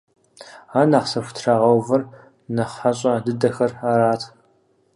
Ар нэхъ зыхутрагъэувэр нэхъ хьэщӀэ дыдэхэр арат.